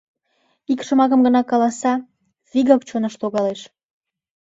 Ик шомакым гына каласа — вигак чоныш логалеш...